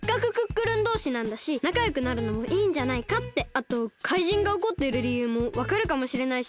あとかいじんがおこってるりゆうもわかるかもしれないし。